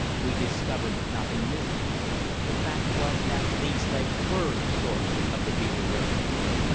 We discovered nothing new. The fact was that these lakes were the source of the Beaver River.